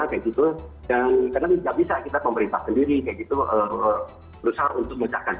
dan karena tidak bisa kita pemerintah sendiri berusaha untuk mengecahkan